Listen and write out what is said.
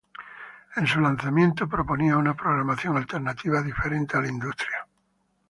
En su lanzamiento, proponía una programación alternativa, diferente a la industria.